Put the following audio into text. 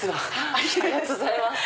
ありがとうございます。